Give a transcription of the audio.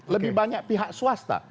lebih banyak pihak swasta